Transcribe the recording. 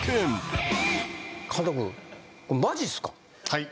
はい。